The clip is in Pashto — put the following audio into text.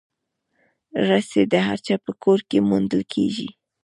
رسۍ د هر چا په کور کې موندل کېږي.